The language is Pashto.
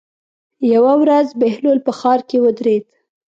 یوه ورځ بهلول په ښار کې ودرېد.